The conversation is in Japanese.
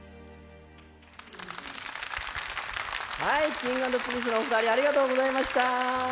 Ｋｉｎｇ＆Ｐｒｉｎｃｅのお二人ありがとうございました。